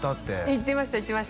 行ってました